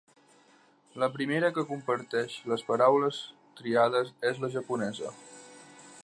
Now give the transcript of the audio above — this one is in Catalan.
La primera que comparteix les paraules triades és la japonesa.